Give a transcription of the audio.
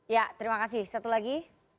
ya terima kasih satu lagi